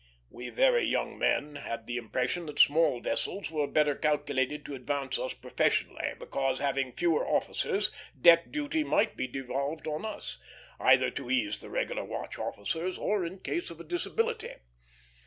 We very young men had the impression that small vessels were better calculated to advance us professionally, because, having fewer officers, deck duty might be devolved on us, either to ease the regular watch officers or in case of a disability.